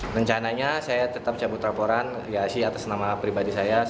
rencananya saya tetap cabut laporan ya sih atas nama pribadi saya